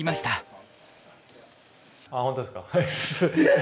あっ本当ですか？